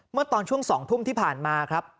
เมื่อตอนช่วง๒ทุ่มที่ผ่านมาครับ